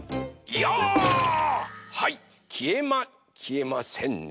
はいきえまきえませんね。